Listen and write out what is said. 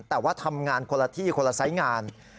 แต่ว่าทำงานคนละที่คนละไซส์งาน